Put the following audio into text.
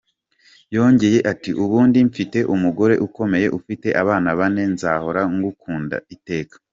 Yongeye ati “Ubundi mfite umugore ukomeye ufite abana bane, nzahora ngukunda iteka”.